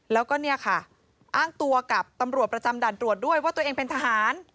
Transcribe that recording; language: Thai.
แล้วก็เนี่ยค่ะอ้างตัวกับตำรวจประจำด่านตรวจด้วยว่าตัวเองเป็นทหาร